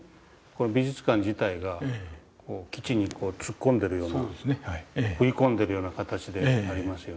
この美術館自体がこう基地に突っ込んでるような食い込んでるような形でありますよね。